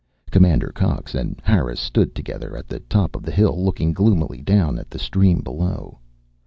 Commander Cox and Harris stood together at the top of the hill, looking gloomily down at the stream below.